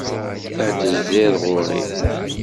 Ad d-tezziḍ ɣur-i.